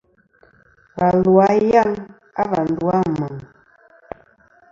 Và lu a yaŋ a va ndu a Meŋ.